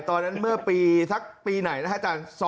ตอนนั้นเมื่อปีทักปีไหนนะฮะอาจารย์